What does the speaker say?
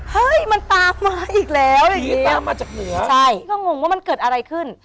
เฮ้ยมันตามมาอีกแล้วอย่างงี้ตามมาจากเหนือใช่พี่ก็งงว่ามันเกิดอะไรขึ้น